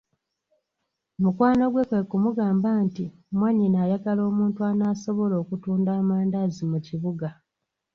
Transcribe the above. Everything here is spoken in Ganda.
Mukwano gwe kwe kumugamba nti mwannyina ayagala omuntu anaasobola okutunda amandaazi mu kibuga.